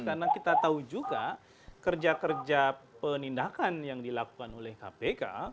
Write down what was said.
karena kita tahu juga kerja kerja penindakan yang dilakukan oleh kpk